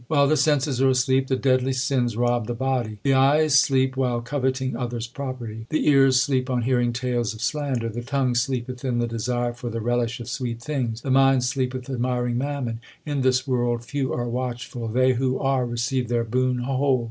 While the senses are asleep, the deadly sins rob the body : The eyes sleep l while coveting others property ; The ears sleep on hearing tales of slander ; The tongue sleepeth in the desire for the relish of sweet things ; The mind sleepeth admiring mammon. In this world few are watchful ; They who are receive their boon whole.